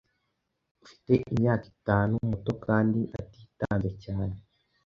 ufite imyaka itanu muto kandi atatinze cyane,